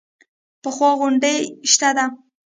پخوانۍ غونډۍ شته ده.